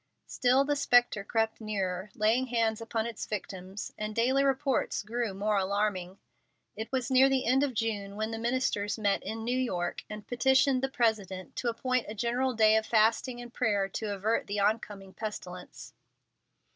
Still the spectre crept nearer, laying hands upon its victims, and daily the reports grew more alarming. It was near the end of June when the ministers met in New York and petitioned the President to appoint a general day of fasting and prayer to avert the oncoming pestilence.